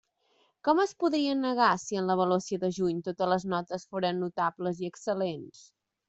Com es podrien negar si en l'avaluació de juny totes les notes foren notables i excel·lents?